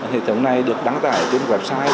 hệ thống này được đăng tải trên website